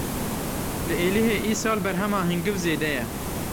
Li Êlihê îsal berhema hingiv zêde ye.